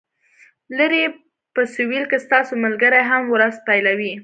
لرې په سویل کې ستاسو ملګري هم ورځ پیلوي